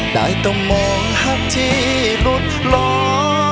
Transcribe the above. ได้เต็มมองหักที่หลุดหลอย